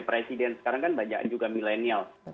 presiden sekarang kan banyak juga milenial